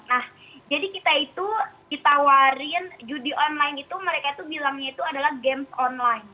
nah jadi kita itu ditawarin judi online itu mereka itu bilangnya itu adalah games online